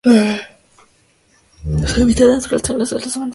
Su hábitat natural son las sabanas y las zonas de matorral húmedo.